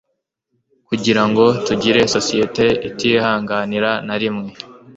kugira ngo tugire sosiyete itihanganira na rimwe